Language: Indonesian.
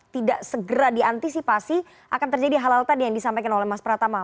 tidak segera diantisipasi akan terjadi halal tadi yang disampaikan oleh mas pratama